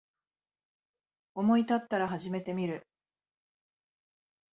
思いたったら始めてみる